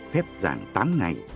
phép giảng tám ngày